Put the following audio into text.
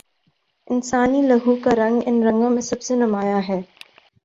انسانی لہو کا رنگ ان رنگوں میں سب سے نمایاں ہے۔